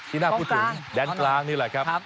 น่าพูดถึงแดนกลางนี่แหละครับ